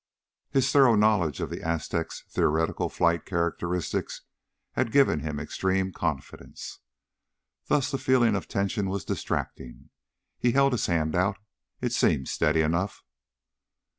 His thorough knowledge of the Aztec's theoretical flight characteristics had given him extreme confidence, thus the feeling of tension was distracting. He held his hand out. It seemed steady enough.